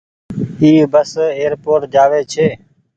اي بس ايئر پوٽ جآ وي ڇي۔